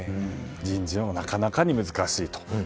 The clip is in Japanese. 人事案はなかなかに難しいと。